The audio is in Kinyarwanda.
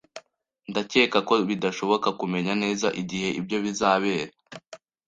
Ndakeka ko bidashoboka kumenya neza igihe ibyo bizabera